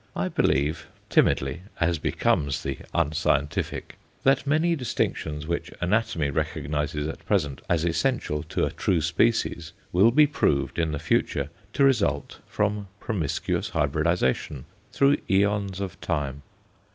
I believe timidly, as becomes the unscientific that many distinctions which anatomy recognizes at present as essential to a true species will be proved, in the future, to result from promiscuous hybridization through æons of time.